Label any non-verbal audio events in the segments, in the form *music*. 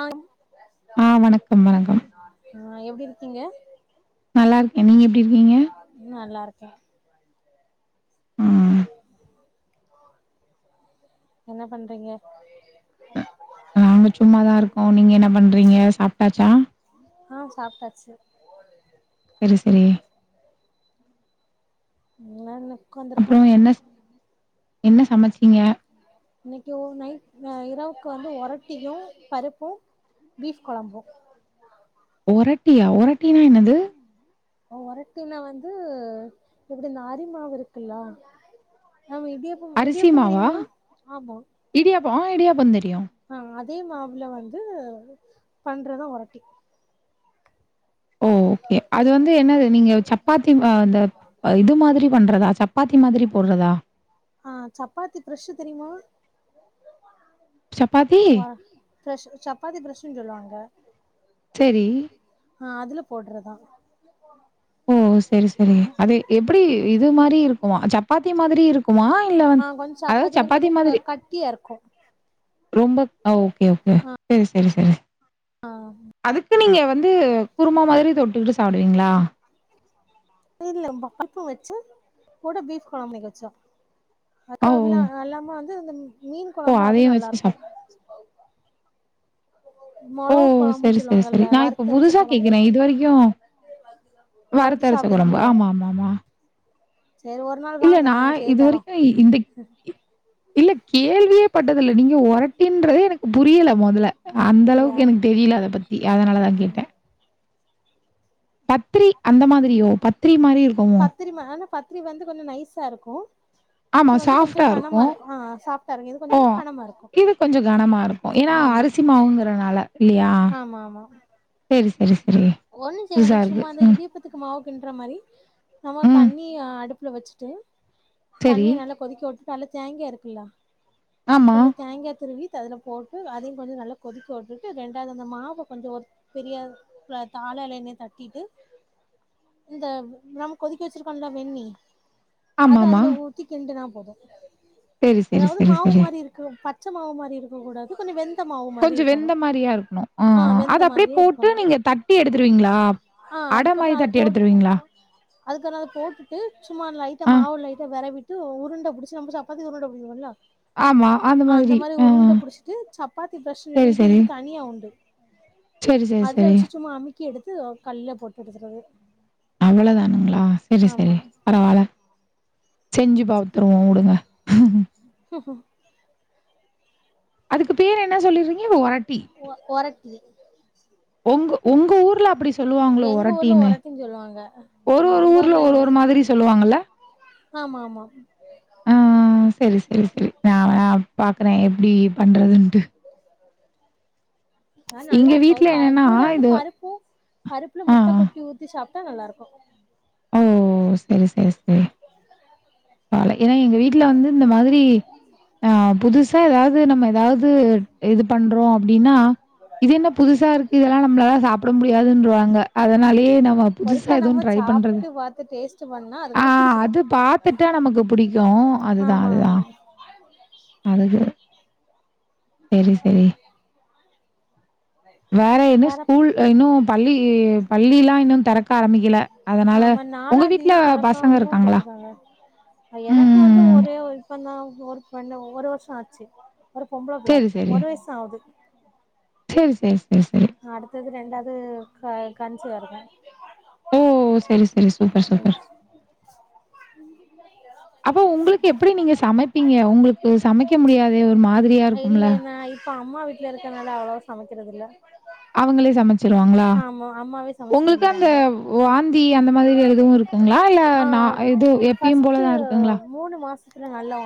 ஆ ஆ வணக்கம்- வணக்கம் ஆ எப்டி இருக்கீங்க நல்லா இருக்கே நீங்க- எப் நல்லா இருக் சா *inaudible* ம். என்ன பண்றீங்க நாங்க சும்மாதா இருக்கோம் நீங்க என்ன பண்றீங்க சாப்ட்டாச்சா ஆ சாப்ட்டாச்சு சரி -சரி என்னன்னு அப்றோ என்ன- என்ன சமச்சீங்க இந்த இரவுக்கு வந்து ஒரட்டியு பருப்பும் பீஃப் கொழம்பும் ஒர ட்டியா ஒரட்டின்னா என்னது ஒரட்டுனாவந்து எப்டி நாரிமாவு இருக்குல்ல மாம் அரிசி இடியாப்பம்-இடியாப்பம் மாவா? தெரியுமா ஆமா இடியாப்பம் ஆ இடியாப்பம் தெரியும். ஹா அதே மாவ்ல வந்து பண்றதான் ஒரட்டி ஓ கே அது வந்து என்னது நீங்க சப்பாத்தி மா இந்த இது மாதிரி பண்றதா சப்பாத்தி மாதிரி போடுறதா *inaudible* *unintelligible* சப்பாத்தி? பிரஷ் சாப்பாத்தி பிரஷ்னு சொல்லுவாங்க ஹா செரி ஹா அதுல போடுறதான் *inaudible* ஓ செரி-செரி அது எப்டி இது மாரி இருக்குமா சப்பாத்தி மாதிரி இருக்குமா இல்ல ஆ கொஞ்சோ அதாவது மாரி சப்பாத்தி கொஞ்சோ க மாதிரி கட்டியா இருக்கு ரொம்ப ஓகே-ஓகே செரி செரி-செரி ஹா அதுக்கு நீங்க வந்து குருமா மாதிரி தொட்டுக்கிட்டு சாப்பிடுவீங்ளா இல்ல பப்பம் வச்சு கூட பீஃப் கொழம்பு *unintelligible* ஓ! அக்காக்குலா *unintelligible* *inaudible* மீன் ஓ! கொழம்பு அது அதையும் நல்லா வச்சு சாப் இருக்கும் ஓ சொல்லுவாங்கல்ல சரி-சரி-சரி நா இப்ப வறுத்தரைச்ச புதுசா கொழம்பு கேக்குறேன் இது வரைக்கும் ஒரட்டி வருத்தரச்ச சாப்ட்டது குழம்பா ஆமாமா மா செரி ஒரு நாள் வாங்க நாங்க செய்யதரோம் இதுவரைக்கும் இந்த இல்ல கேள்வியே பட்டதில்ல நீங்க ஒரட்டின்றதே எனக்கு புரியல மொதல்ல அந்த இல்லையா அளவுக்கு எனக்கு தெரியல அத பத்தி அதனாலதான் கேட்டேன் பத்ரி அந்த மாதிரியோ பத்திரி மாரி இருக்குமோ பத்திரி மா ஆனா பத்திரி வந்து கொஞ்ச நைஸாக இருக்கும் ஆமா ஷாப்டா இருக்கும் சாஃப்டா இருக்கு இது கொஞ்சோ ஓ கனமா இருக்கு இது கொஞ்ச கனமா இருக்கும் ஏனா ஆமா அரிசி மாவுங்கிறனால இல்லையா செரி செரி ஒன்னும் செய்வேனா சும்மா அந்த இடியப்பத்துக்கு மாவு பின்ற மாரி நம்ம ம். தண்ணி *unintelligible* *unintelligible* வச்சிட்டேன் சரி. தண்ணிய நல்லா கொதிக்கவுட்டு *unintelligible* தேங்கா இருக்குல்ல ஆமா. கொஞ்சோ தேங்கா துருவி த்த அதுல போட்டு அதையு கொஞ்சோ நல்லா கொதிக்க உட்டுட்டு ரெண்டாவது அந்த மாவ கொஞ்சோ பெரிய *unintelligible* *unintelligible* தட்டிட்டு இந்த நம்ம கொதிக்க வச்சிருக்கோம்ல வெந்நீ அது ஆமாமா. அதுல ஊத்தி கிண்டுனம் சரி, *inaudible* சரி, அதாவ்து சரி, மாவு சரி. மாரி இருக்கு *unintelligible* பச்சமாவு மாரி இருக்கக் கூடாது கொஞ்சோ வெந் கொஞ்சோ வெந்த மாரியா இருக்கணோ ஆ ஆஹ அத வெந்த அப்டியே மாதிரியே போட்டு இருக்கணு நீங்க தட்டி எடு *unintelligible* ஆ அதுக்கப்புறோ அத போட்டு எடுத்துருவீங்களா? அதுக்கப்புறோ அத போட்டுட்டு சும்மா லைட்டா ஆ, மாவு லைட்டா தரவிட்டு உருண்ட புடிச்சு நம்ப சப்பாத்தியுருண்ட புடிப்போம்ல ஆமா. அந்த மாதிரி ஆ, ஆ. உருண்ட புடிச்சிட்டு சப்பாத்தி சரி, பிரஷர்கிட்டு சரி. இதுக்கு தனியா உண்டு சரி, சரி, அதுல சரி. வெச்சு சும்மா அமிக் முக்கியெடுத்து கல்லுல போட்டு எடுத்துடது அவ்ளோதானுங்ளா செரி செரி பரவால செஞ்சு பார்த்துருவோ உடுங்க *inaudible* ஓ அதுக்கு பேர்ரென்ன சொல்லிருந்தீங்க ஒரட் ஒர ஒரட் *inaudible* ஒங்கு ஒங்க ஊர் உங்க ஊர்ல அப்டி சொல்லுவாங்களோ எங்க ஊர்ல ஒரட்டீன்னு ஒரட்டின்னு சொல்லுவாங்க ஒரு ஆனா ஒரு ஊர்ல ஒரு ஒரு மாதிரி சொல்லுவாங்கல ஆமாமா செரி செரி நா நா பாக்குறே எப்டி பண்றதுண்டு *inaudible* ஆ எங்க நல்லா இருக்கோ வீட்ல பா அது என்னன்னா, கூட வந்து இது பருப்பும் பருப்புல ஆ, ஆ. முட்ட கொட்டி ஊத்தி சாப் தா நல்லா இருக்கோ ஓ செரி செரி செரி *unintelligible* எனாப் எங்க வீட்ல வந்து இந்த மாதிரி ஆ புதுசா எதாவது நம்ப எதாவது இது பண்றோ அப்டின்னா இது என்ன புதுசாயிருக்கு இதெல்லா நம்மளால சாப்பிட முடியாதுன்றுவாங்க அதனாலயே நம்ப புதுசா எதுவும் ட்ரை பண்றது பண்ணி பாத்துட்டு டேஸ்ட் பண்ணா அதுக்கப்புறோ புடிச்சிடோ *unintelligible* அதுதா அதுதா அதுக்கு செரி - செரி வேற இன்னும் ஸ்கூல் இன்னும் பள்ளி - பள்ளிலாம் இன்னும் தெறக்க ஆரம்பிக்கல அதனால ஆமா உங்க நாலாந் வீட்ல தேதி பசங்க தெறக்கவங்க இருக்காங்களா போட்ருக்காங்க எனக்கு வந்து உம் ஒரே ஒரு இப்பந்தா ஒரு பன்ன ஒரு வருஷம் ஆச்சு ஒரு பொம்பள புள்ள சரி, இருக்கு சரி. ஒரு வயசு தான் ஆகுது *unintelligible* அடுத்தது ரெண்டாவது *unintelligible* கன்சுவாருக்கே ஓ செரி - செரி சூப்பர் - சூப்பர் உம் அப்போ உங்ளுக்கு எப்டி நீங்க சமைப்பீங்க உங்ளுக்கு சமைக்க முடியாதே ஒரு மாதிரியா இல்ல இருக்கும்ல நா இப்ப அம்மா வீட்ல இருக்கனால அவளோவ சமைக்கிறதுதில்ல அவங்களே சமைச்சிருவாங்ளா அம்மாவே சமைச்சு உங்களுக்கு அந்த தந்துருவாங்க வாந்தி அந்த மாதிரி எதுவும் இருக்குங்ளா இல்ல ஆ ந எதும் எப்பையும் போலதான் இருக்குங்களா துல நல்லா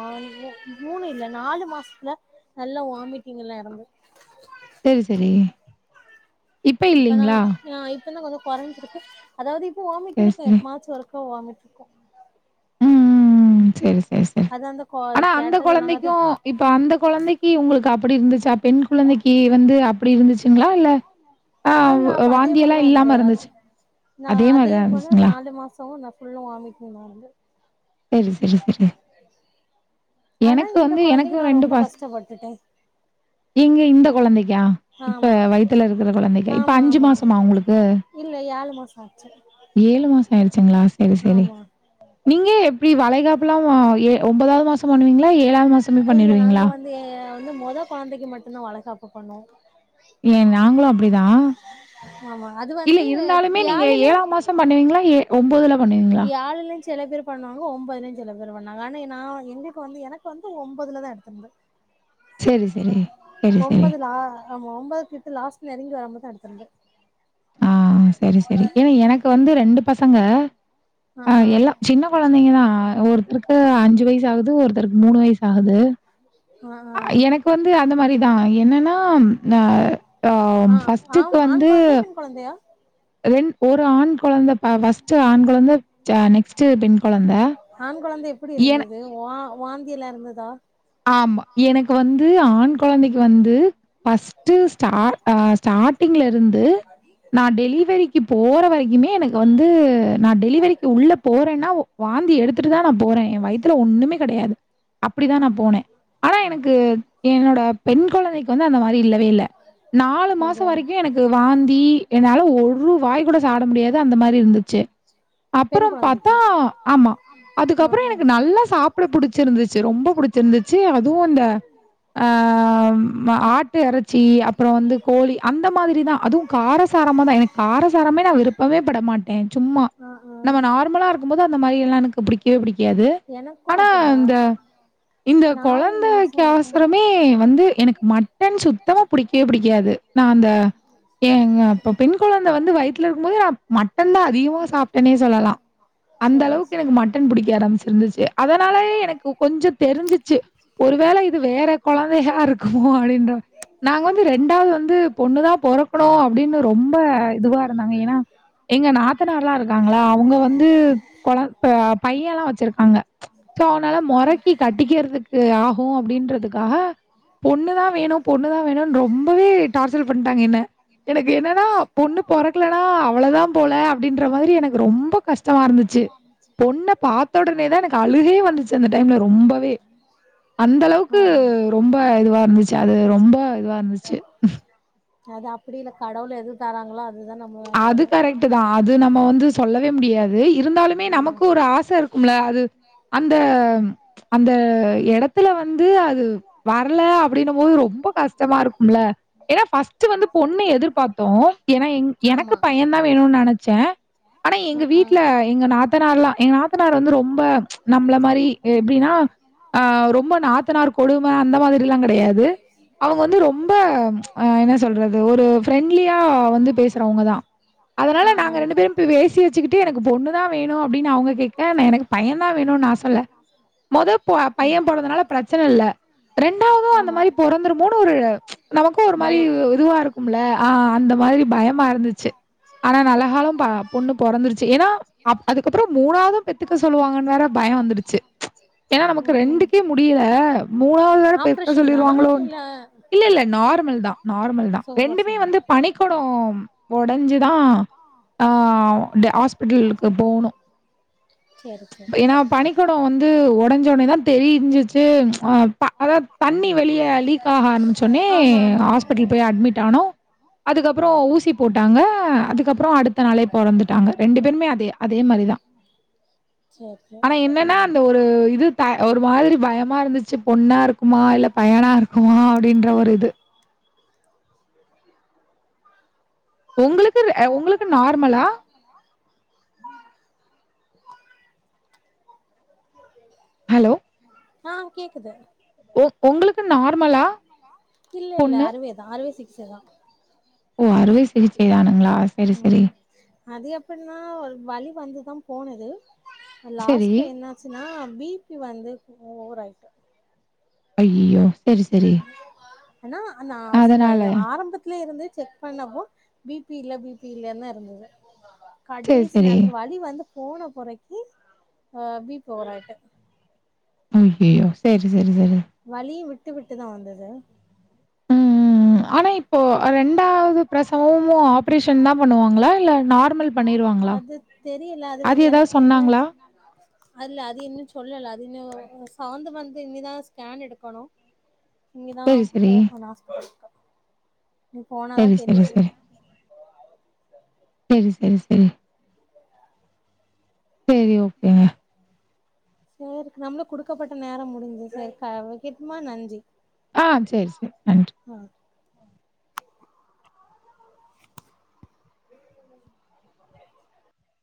மூ மூணு இல்ல நாலு மாசத்துல நல்லா வாமிட்டிங் எல்லா *unintelligible* செரி செரி இப்ப இல்லைங்ளா இன்னும் கொஞ்சம் கொறஞ்சிருக்கு அதாவது இப்போ வாமிட் சரி, இருக்கு சரி. எப்பமாச்சும் ஒரு ப்போ வாமிட்ருக்கு ம் ம் ம் செரி செ செரி - செரி அது அந்த கோ ஆனா அந்த கேட்டா சொல்லுவாங்க அது கொழந்தைக்கும் இப்ப அந்த கொழந்தைக்கி உங்ளுக்கு அப் அப்டி இருந்துச்சா பெண் குழந்தைக்கு வந்து அப்டி இருந்துச்சுங்ளா இல்ல ஆஹ் அல்ல அப்ப அதே போலதா வாந்தியல்லாம் இருந்து இல்லாம அது இருந்துச்சு நா அதே மாரிதான் போல இருந்துச்சுங்ளா நாலு மாசமு நா ஃபுல்லு வாமிட்டிங் தா இருந்து செரி - செரி - செரி ஆனா இந்த குழந்தைக்கு நா ரொம்ப கஷ்டப்பட்டுட்டேன் ஏங்க இந்த குழந்தைக்கா இப்ப ஆமா வயி்த்துல இருக்கிற குழந்தைக்கா இப்ப ஆமா அஞ்சு ஆமா மாசமா உங்களுக்கு இல்ல ஏழு மாசோ ஆச்சு ஏழு மாசம் ஆயிருச்சுங்களா செரி - செரி ஆமா நீங்க எப் *unintelligible* வளைகாப்புலாம் ஓ ஏ ஒன்பதாவது மாசம் பண்ணுவீங்ளா ஏழாவது மாசமே நாங்க பண்ணிருவீங்ளா வந்து இல்ல மொத கொழந்தைக்கு மட்டும்தான் வளகாப்பு பண்ணுவோம் ஏ நாங்களும் அப்டிதான் ஆமா அது இல்ல வந்து இருந்தாலுமே நீங்க ஏழுலயு ஏழாம் மாசம் பண்ணுவீங்களா ஏ ஒன்பது ல *unintelligible* சில பேர் பண்ணுவாங்க ஒன்பதுலயும் சில பேர் பண்ணாங்க ஆனா நான் எங்களுக்கு வந்து எனக்கு வந்து ஒன்பதுலதான் எடுத்திருந்தது சரி, சரி. சரி, சரி. ஒன்பதுல ஆ ஆமா ஒன்பது க் லாஸ்ட் நெங்கி வரும்தான் எடுத்திருந்தது ஆ சரி -சரி ஏன்னா எனக்கு வந்து ரெண்டு பசங்க ஆ எல்லா சின்ன கொழந்தைங்கதா ஒருத்தருக்கு அஞ்சு வயசு ஆகுது ஒருத்தருக் மூணு வயசு ஆகுது ஆ எனக்கு வந்து அந்த மாரிதா என்னன்னா நா ஆ ஆ ஃபர்ஸ்ட்டுக்கு ஆண் ஆண் வந்து கொழந்தையா பெண் கொழந்தையா ரெண் ஒரு ஆண் கொழந்த ஆ ஃபர்ஸ்ட்டு ஆண் கொழந்த ஆ நெக்ஸ்ட்டு பெண் கொழந்த எப்படி இருந்தது அ வா வாந்திலா இருந்துதா ஆமா எனக்கு வந்து ஆண் கொழந்தைக்கு வந்து ஃபர்ஸ்ட்டு ஸ்டா ஆ ஸ்டார்டிங்ல இர் இருந்து நா டெலிவரி இ போற வரைக்குமே எனக் வந்து நா டெலிவரிக்கு உள்ள போறேன்னா வாந்தி எடுத்துட்டுதா நா போறே என் வயித்துல ஒண்ணுமே கெடையாது அப்பிடிதா ஆ நா ஆ ஆனா எனக்கு என்னோட பெண் கொழந்தைக்கி வந்து அந்த மாரி இல்லவே இல்ல நாலு மாசோ அப்டியா வரைக்கு எனக்கு வாந்தி என்னால ஒரு வாய் கூட சாப்ட முடியாது அந்த மாரி இருந்துச்சு. பெண் அப்றம் பாத்தா கொழந்தைக்கு ஆமா ஆ அதுக்கப்புற ஆ எனக்கு நல்லா சாப்ட புடிச்சிருந்துச்சு ரொம்ப புடிச்சி இருந்துச்சு அதுவு அந்த ஆ அம் ஆட்டு எறைச்சி அப்புறம் வந்து கோழி அந்த மாதிரிதா அதுவு காரசாரமாதா எனக்கு காரசாரமே நான் விருப்பமே படமாட்டேன் சும்மா. ஆ ஆ நம்ம நார்மலா இருக்கும் போது அந்த மாரி எல்லா எனக்கு பிடிக்கவே பிடிக்காது எனக்கு ஆனா அப்டிதா இந்த இந்த நாலு கொழந்தைக்கி மாசம் இருக்கும் அவசரமே *unintelligible* வந்து எனக்கு மட்டன் சுத்தமா புடிக்கவே புடிக்காது நா அந்த எங்க அப்ப பெண் கொழந்த வந்து வயித்துல இருக்கும்போது நா மட்டன்தான் அதிகமா சாப்பிட்டன்னே சொல்லலா அந்த சேரி அளவுக்கு எனக்கு மட்டன் புடிக்க ஆரம்பிச்சிருந்துச்சு அத அதனாலயே எனக்கு கொஞ்சத் தெரிஞ்சிச்சு ஒருவேள இது வேற கொழந்தையா இருக்குமோ அப்டின்ற நாங்க வந்து ரெண்டாவது வந்து பொண்ணுதா பொறக்கணு அப்டின்னு ரொம்ப இதுவா இருந்தாங்க ஏன்னா எங்க நாத்தனார்லா இருக்காங்லா அவங்க வந்து கொழ இப்ப பையன்லா வச்சிருக்காங்க சோ அவனால ஆ மொறைக் இ கட்டிக்கிறதுக்கு ஆகு அப்டின்றதுக்காக பொண்ணுதா வேணு பொண்ணுதா வேணுன்னு ரொம்பவே டார்ச்சர் பண்ட்டாங்க என்ன. எனக்கு என்னனா பொண்ணு பொறக்கலனா அவ்ளதா போல அப்டின்ற மாரி எனக்கு ரொம்ப கஷ்டமா இருந்துச்சு பொண்ண பாத்த உடனேதா எனக்கு அழுகையே வந்துச்சு அந்த டைம்ல ரொம்பவே அந்த ஆ அளவுக்கு ரொம்ப இதுவா இருந்துச்சு அது ரொம்ப இதுவா இருந்துச்சு அது அப்படி இல்ல கடவுள் எது தாராங்களோ அத் அது கரெக்ட்டுதா அது நம்ம வந்து சொல்லவே முடியாது வெய் இருந்தாலுமே ஆமா நமக்கு ஒரு ஆச இருக்கும்ல அது அந்த அந்த எடத்துல வந்து அது வரல அப்டின்னும்போது ரொம்ப கஷ்டமா இருக்கும்ல ஏன்னா ஃபர்ஸ்ட்டு வந்து பொண்ணு எதிர்பாத்தோ ஏன்னா எங் எனக்கு ஆமா பைய தான் வேணுனு நனச்சேன் ஆனா எங்க ஆ ஆ வீட்ல எங்க நாத்தனார்ல்லா எங்க நாத்தனார் வந்து ரொம்ப நம்ள மாரி எப்டின்னா ரொம்ப நாத்தனார் கொடும அந்த மாதிரிலா கிடையாது அவங்க வந்து ரொம்ப என்ன சொல்றது ஒரு ஃப்ரெண்ட்லியா வந்து பேச ப்ரோ அவங்க தா அதனால ஆ ஆ நாங்க ரெண்டு பேரும் பேசி வச்சிக்கிட்டு எனக்கு பொண்ணு தான் வேணும் அப்டின்னு அவங்க கேக எனக்கு பையன் தான் வேணும் நா சொல்ல ம் பையன் போனால பிரச்சனை இல்ல. ரெண்டாவது அந்த ஆமா மாதிரந்த நமக்கும் ஒரு மாதிரி பயோ இதுவா இருக்கும்ல அந்த மாதிரி பயம் மா இருந்துச்சு ஆனா நல்லகாலம் பா பொண்ணு பொறந்துருச்சு ஏன்னா அப் அதுக்கப்புறம் மூணாவதும் பெத்துக்க சொல்லுவாங்கன்னு வேற பயம் வந்துருச்சு *unintelligible* நமக்கு ம் ம் ரெண்டுக்கே முடியல மூணாவத வேற பெக்க ஆப்ரேஷன் தானா சொல்லிருவாங்களோ இல்ல இல்ல இல்ல நார்மல் தான்- நார்மல் தான் ரெண்டுமே சுகப்பிரசவமா வந்து பணிக்கொடம் *unintelligible* ஹஸ்பிட்டலுக்கு போனும் சேரி சேரி ஏா பனிக்கூடம் வந்து உடஞ்ஞி உடனே தான் தெரிஞ்சிச்சே அத தண்ணி வெளியே லீக் ஆக ஆரே ஆமா ஆமா ஹா்ப போய் அட்மி் ஆனும் அதுக்கப்புறம் ஊசி டாங்க அதுக்கப்புறம் அடுத்த நாளே பொறந்துட்டாங்க ரெண்டு பேருமே அதே -அதே மாரிதான் சேரி சேரி ஆனா என்னன்னா அந்த ஒரு இது த ஒரு மாதிரி பயமா இருந்துச்சு பொண்ணா இருக்குமா இல்ல பயனா இருக்குமா அப்படின்ற ஒரு இது உங்ளுக்கு ஹ உங்ளுக்கு நார்மலா *inaudible* ஹலோ ஆஹ் கேக்குது ஒ உங்களுக்கு உங்ளுக்கு நார்மலா? நார்மல்லா இல்ல இல்ல பொண்ணு? அறுவைதான் அறுவை சி *unintelligible* ஓ அறுவை சிகிச்சைதானுங்ளா செரி செரி ம் அது எப்பட்னா அவளுக்கு வலி வந்துதா போனது சரி. லாஸ்ட்ல என்னாசின்னா பிபி வந்து ஒ ஒவராய்ட் அய்யயோ *inaudible* ஆனா நான்ஸ்டர் இது அதனாலயா? ஆரம்பத்துலயே இருந்தே செக் பண்ணப்போ பிபி இல்ல- பிபி இல்லனுதா இருந்துது சரி, கடைசி சரி. நேரத்துல வலி வந்து போன பொறைக்கி அஹ் பீ பி ஓவராய்ட்டு அய்யய்யோ செரி செரி செரி வலியும் விட்டு விட்டுதா வந்துது உம்ம்ம் ஆனா இப்போ ரெண்டாவது பிரசவமும் ஆஃப் *inaudible* பண்ணிருவாங்களா? அது தெரியல அது வந்து ஏதாவது எனக்கு சொன்னாங்களா? என்னசி அதுல்ல அது இன்னு சொல்லல அது இன்னு சவந்த் மந்த் இனிதான் ஸ்கேன் எடுக்கணும் சரி, இங்கதான் சரி. *unintelligible* போனாதா சரி, தெரியு ம் செரி செரி செரி ஓகேங்க செரி நம்மளுக்கு குடுக்கப்பட்ட நேரம் முடிஞ்சது செரி வெக்கட்டுமா நன்றி ஹ செரி செரி நன்றி ஆ